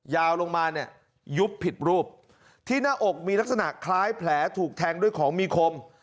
ยาวลงมาเนี่ยยุบผิดรูปที่หน้าอกมีลักษณะคล้ายแผลถูกแทงด้วยของมีคม